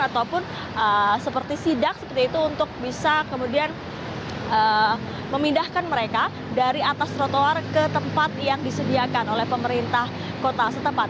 ataupun seperti sidak seperti itu untuk bisa kemudian memindahkan mereka dari atas trotoar ke tempat yang disediakan oleh pemerintah kota setempat